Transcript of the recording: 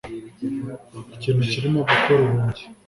Ikintu kirimo gukora urugi.